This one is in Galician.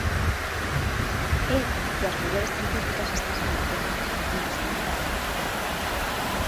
É que as mulleres científicas están silenciadas, invisibilizadas.